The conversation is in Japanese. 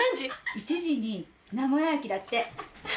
１時に名古屋駅だって。